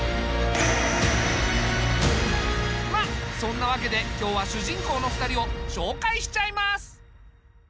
まあそんなわけで今日は主人公の２人を紹介しちゃいます。